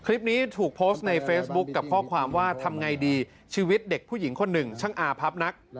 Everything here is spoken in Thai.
คลิปนี้ถูกโพสต์ในเฟซบุ๊คกับข้อความว่าทำไงดีชีวิตเด็กผู้หญิงคนหนึ่งช่างอาพับนัก